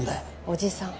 おじさん。